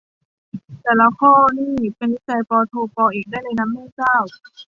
แต่ละข้อนี่เป็นวิจัยปโท ปเอกได้เลยนะ แม่เจ้า